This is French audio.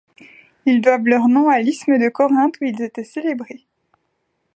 Ils doivent leur nom à l'isthme de Corinthe où ils étaient célébrés.